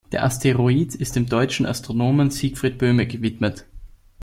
Der Asteroid ist dem deutschen Astronomen Siegfried Böhme gewidmet.